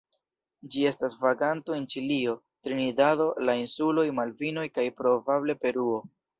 Ĝi estas vaganto en Ĉilio, Trinidado, la insuloj Malvinoj kaj probable Peruo.